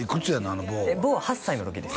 あの坊は坊は８歳の時です